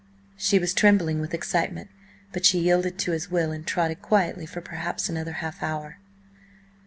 She was trembling with excitement, but she yielded to his will and trotted quietly for perhaps another half hour.